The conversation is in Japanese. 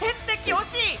惜しい！